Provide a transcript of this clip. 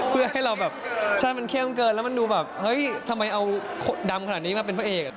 เพื่อให้เราแบบใช่มันเข้มเกินแล้วมันดูแบบเฮ้ยทำไมเอาดำขนาดนี้มาเป็นพระเอก